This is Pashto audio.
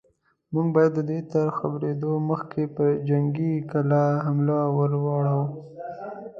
موږ بايد د دوی تر خبرېدو مخکې پر جنګي کلا حمله ور وړو.